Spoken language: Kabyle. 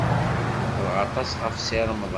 Meqqreɣ aṭas ɣef Si Remḍan.